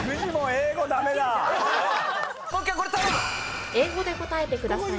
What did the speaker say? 英語で答えてください。